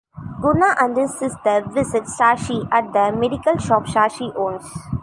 Guna and his sister visit Sashi at the medical shop Sashi owns.